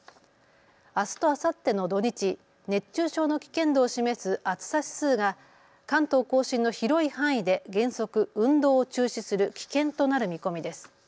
あすとあさっての土日、熱中症の危険度を示す暑さ指数が関東甲信の広い範囲で原則、運動を中止する危険となる見込みです。